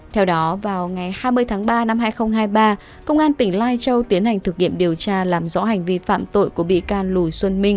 theo đó vào ngày hai mươi tháng ba năm hai nghìn hai mươi ba công an tỉnh lai châu tiến hành thực nghiệm điều tra làm rõ hành vi phạm tội của bị can lùi xuân minh